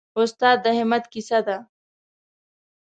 استاد د همت کیسه ده.